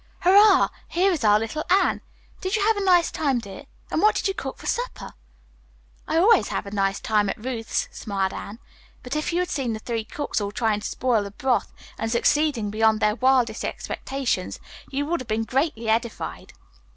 Hurrah! Here is our little Anne. Did you have a nice time, dear, and what did you cook for supper?" "I always have a nice time at Ruth's," smiled Anne, "but, if you had seen the three cooks all trying to spoil the broth and succeeding beyond their wildest expectations, you would have been greatly edified."